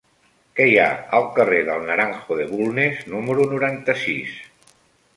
Què hi ha al carrer del Naranjo de Bulnes número noranta-sis?